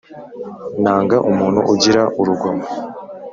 nanga umuntu ugira urugomo.